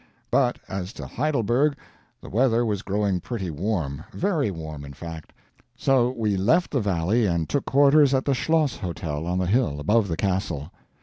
But as to Heidelberg. The weather was growing pretty warm, very warm, in fact. So we left the valley and took quarters at the Schloss Hotel, on the hill, above the Castle.